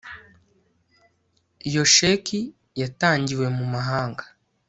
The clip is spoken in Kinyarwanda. iyo sheki yatangiwe mu mahanga